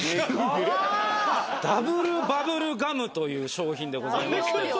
ダブルバブルガムという商品でございまして。